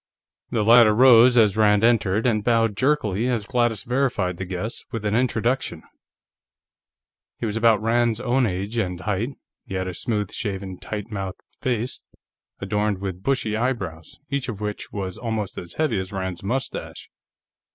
The latter rose as Rand entered, and bowed jerkily as Gladys verified the guess with an introduction. He was about Rand's own age and height; he had a smooth shaven, tight mouthed face, adorned with bushy eyebrows, each of which was almost as heavy as Rand's mustache.